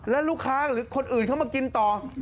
แล้วลูกค้าหรือคนอื่นเข้ามากินต่อ